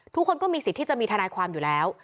ทุกคนก็มีสิทธิ์ที่จะมีทนายความอยู่แล้ว